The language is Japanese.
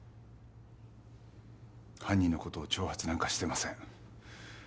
犯人の事を挑発なんかしてません。